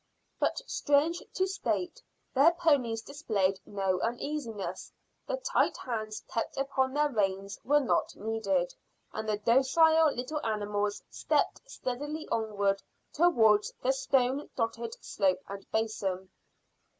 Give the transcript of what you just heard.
But strange to state, their ponies displayed no uneasiness, the tight hands kept upon their reins were not needed, and the docile little animals stepped steadily onward towards the stone dotted slope and basin.